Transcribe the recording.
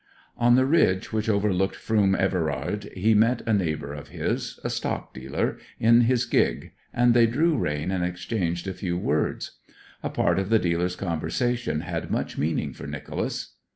On the ridge which overlooked Froom Everard he met a neighbour of his a stock dealer in his gig, and they drew rein and exchanged a few words. A part of the dealer's conversation had much meaning for Nicholas.